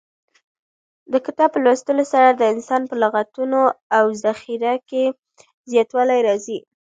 د کتاب په لوستلو سره د انسان په لغتونو او ذخیره کې زیاتوالی راځي.